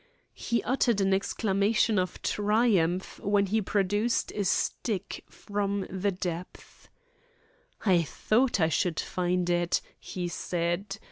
He uttered an exclamation of triumph when he produced a stick from the depths. "I thought I should find it," he said.